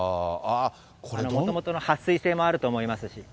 もともと撥水性もあると思いますし。